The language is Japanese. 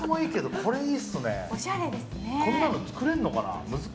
こんなの作れるのかな。